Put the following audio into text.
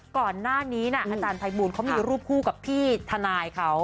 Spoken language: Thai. ก่อนหน้านี้อาจารย์ภัยบูลเขามีรูปคู่กับพี่ทนายเขา